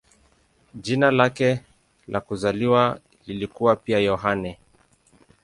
Jina lake la kuzaliwa lilikuwa pia "Yohane".